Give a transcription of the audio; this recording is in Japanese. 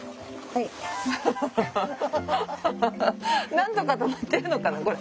なんとかとまってるのかなこれ。